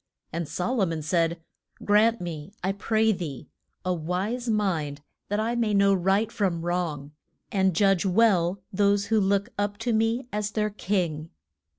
And So lo mon said, Grant me, I pray thee a wise mind that I may know right from wrong, and judge well those who look up to me as their king.